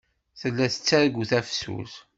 Tella tettargu tafsut.